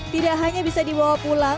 tidak hanya bisa dibawa pulang